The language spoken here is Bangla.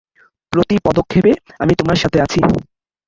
প্রতি পদক্ষেপে আমি তোমার সাথে আছি।